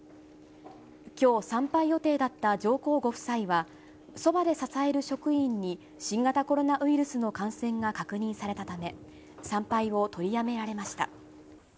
きょう参拝予定だった上皇ご夫妻は、そばで支える職員に、新型コロナウイルスの感染が確認されたため、参拝を取りやめられました。